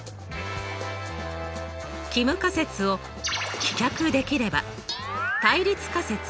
帰無仮説を棄却できれば対立仮説